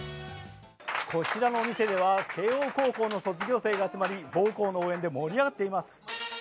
こちらのお店では慶応高校の卒業生が集まり母校の応援で盛り上がっています。